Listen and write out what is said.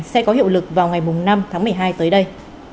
sẽ có hiệu lực vào ngày năm tháng một mươi hai tới đây